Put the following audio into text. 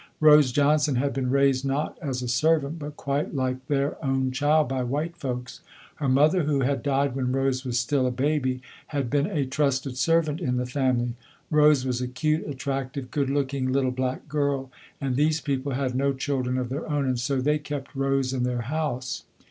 Rose Johnson had been raised not as a servant but quite like their own child by white folks. Her mother who had died when Rose was still a baby, had been a trusted servant in the family. Rose was a cute, attractive, good looking little black girl and these people had no children of their own and so they kept Rose in their house.